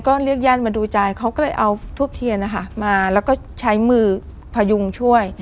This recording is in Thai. ก็เรียกญาติมาดูใจเขาก็เลยเอาทูบเทียนนะคะมาแล้วก็ใช้มือพยุงช่วย